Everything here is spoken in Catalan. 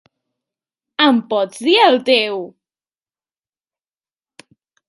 Em pots dir el teu!?